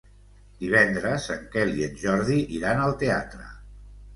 Divendres en Quel i en Jordi iran al teatre.